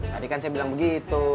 tadi kan saya bilang begitu